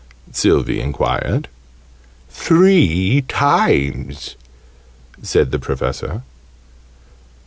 Sylvie enquired. "Three times," said the Professor.